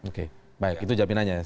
oke baik itu jawabinannya